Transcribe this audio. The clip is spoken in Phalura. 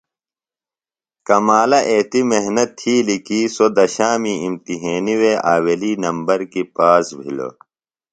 کمالہ ایتی محنت تِھیلیۡ کیۡ سوۡ دشامی امتحینیۡ آویلی نمر کیۡ پاس بِھلوۡ۔